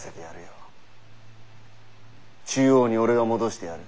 中央に俺が戻してやる。